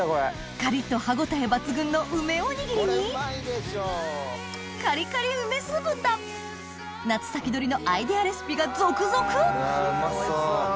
カリっと歯応え抜群の梅おにぎりにカリカリ梅酢豚夏先取りのアイデアレシピが続々おいしそう！